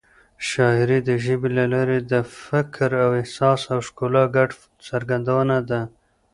شاعري د ژبې له لارې د فکر، احساس او ښکلا ګډه څرګندونه ده.